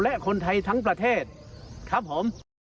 และคนไทยทั้งประเทศครับผม